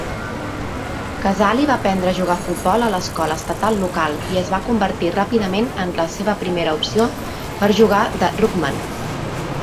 Cazaly va aprendre a jugar a futbol a l'escola estatal local i es va convertir ràpidament en la seva primera opció per jugar de "ruckman".